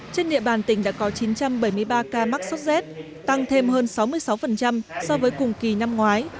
trên địa bàn tỉnh đã có chín trăm bảy mươi ba ca mắc sốt z tăng thêm hơn sáu mươi sáu so với cùng kỳ năm ngoái